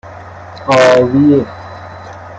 آویخت